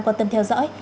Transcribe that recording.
quan tâm theo dõi